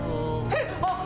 えっ！